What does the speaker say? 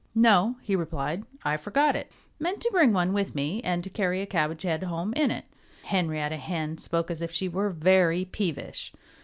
"No!" he replied. "I forgot it. I meant to bring one with me and carry a cabbage head home in it." Henrietta Hen spoke as if she were very peevish.